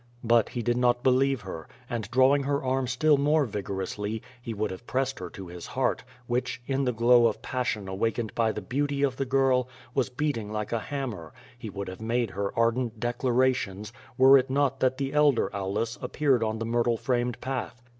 But he did not believe her, and drawing her arm still more vigorously, he would have pressed her to his heart, which, in the glow of passion awakened by the beauty of the girl, was beating like a hammer; he would have made her ardent declarations, were it not that the elder Aulus ap peared on the myrtle framed path.